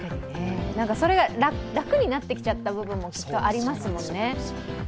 それが楽になってきちゃった部分もきっとありますもんね。